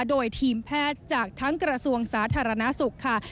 โดยทีมแพทย์จากทั้งกระทรวงสาธารณสุขค่ะ